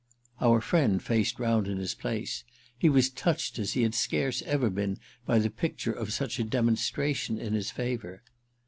Our friend faced round in his place—he was touched as he had scarce ever been by the picture of such a demonstration in his favour.